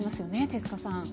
手塚さん。